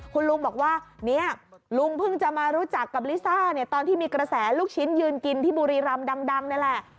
คุณลุงบอกว่าเนี่ยลุงเพิ่งจะมารู้จักกับลิซ่าเนี่ยตอนที่มีกระแสลูกชิ้นยืนกินที่บุรีรำดังนี่แหละ